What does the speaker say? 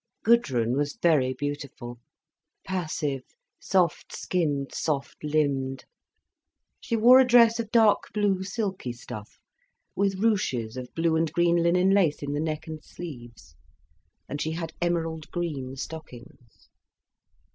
Gudrun was very beautiful, passive, soft skinned, soft limbed. She wore a dress of dark blue silky stuff, with ruches of blue and green linen lace in the neck and sleeves; and she had emerald green stockings.